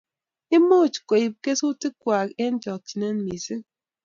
imuchi koib kesutik kwai eng chokchinet missing